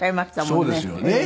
そうですよね。